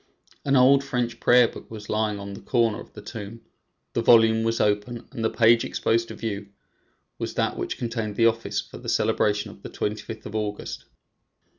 An old French prayer book was lying on the corner of the tomb; the volume was open, and the page exposed to view was that which contained the office for the celebration of the 25th of August.